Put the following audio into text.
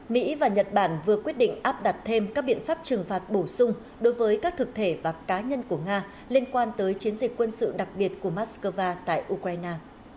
mỹ và nhật bản vừa quyết định áp đặt thêm các biện pháp trừng phạt bổ sung đối với các thực thể và cá nhân của nga liên quan tới chiến dịch quân sự đặc biệt của moscow tại ukraine